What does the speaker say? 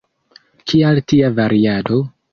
Kial tia variado?